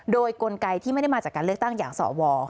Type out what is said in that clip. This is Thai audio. โดยกลไกที่ไม่ได้มาจากการเลือกตั้งอย่างสว